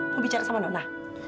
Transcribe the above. mau bicara sama nona